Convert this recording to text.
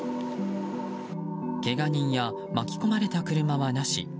けが人や、巻き込まれた車はなし。